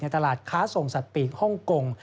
ตลาดค้าส่งสัตว์ปีกฮ่องกง